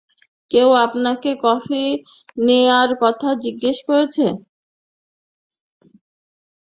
কেউ আপনাকে কফি নেয়ার কথা জিজ্ঞেস করেছে?